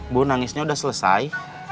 bu nangisnya udah selesai